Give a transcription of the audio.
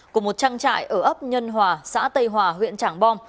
của một trang trại ở ấp nhân hòa xã tây hòa huyện trảng bom